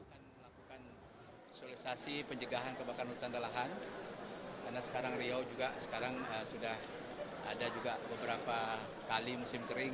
akan melakukan sosialisasi pencegahan kebakaran hutan dan lahan karena sekarang riau juga sekarang sudah ada juga beberapa kali musim kering